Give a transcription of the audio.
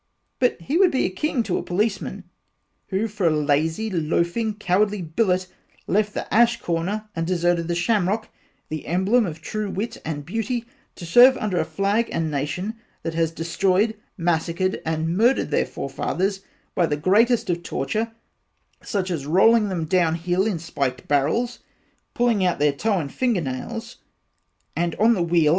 But he would be a king to a policeman who for a lazy loafing cowardly bilit left the ash corner deserted the shamrock, the emblem of true wit and beauty to serve under a flag and nation that has destroyed massacreed and murdered their fore fathers by the greatest of torture as rolling them down hill in spiked barrels pulling their toe and finger nails and on the wheel.